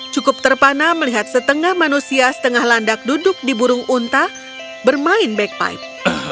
cukup terpana melihat setengah manusia setengah landak duduk di burung unta bermain bag pipe